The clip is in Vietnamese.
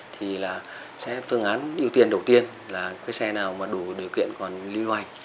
thì phương án ưu tiên đầu tiên là xe nào đủ điều kiện còn lưu hành